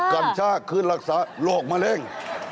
กัญชาคือรักษาโรคมะเร็ง